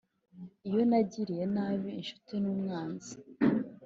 iyo nagiriye nabi inshuti n'umwanzi.